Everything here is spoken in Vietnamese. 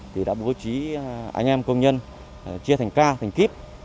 thì đã bố trí anh em công nhân chia thành ca thành kíp